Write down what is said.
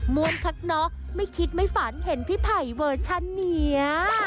มวลพักเนาะไม่คิดไม่ฝันเห็นพี่ไผ่เวอร์ชันเนี่ย